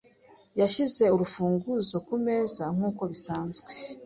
Yashyize urufunguzo kumeza nkuko bisanzwe .